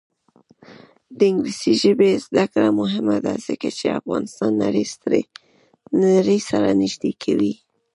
د انګلیسي ژبې زده کړه مهمه ده ځکه چې افغانستان نړۍ سره نږدې کوي.